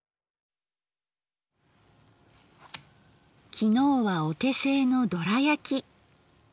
昨日はお手製のドラやき。